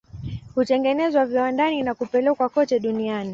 Hutengenezwa viwandani na kupelekwa kote duniani.